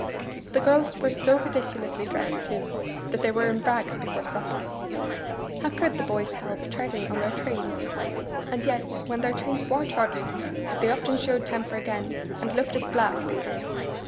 The girls were so ridiculously dressed, too, that they were in rags before supper. How could the boys help treading on their trains? And yet when their trains were trodden on, they often showed temper again, and looked as black, they did!